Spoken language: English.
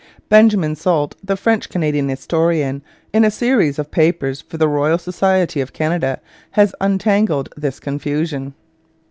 Benjamin Sulte, the French Canadian historian, in a series of papers for the Royal Society of Canada has untangled this confusion.